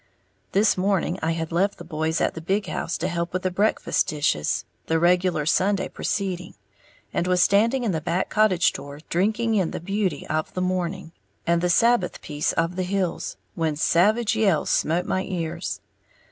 This morning I had left the boys at the big house to help with the breakfast dishes the regular Sunday proceeding and was standing in the back cottage door drinking in the beauty of the morning and the Sabbath peace of the hills, when savage yells smote my ears.